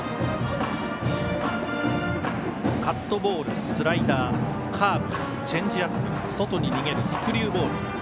カットボール、スライダーカーブ、チェンジアップ外に逃げるスクリューボール。